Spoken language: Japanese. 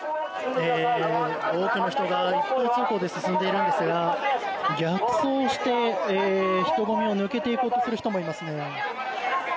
多くの人が一方通行で進んでいるんですが逆走をして人混みを抜けていこうとする人もいますね。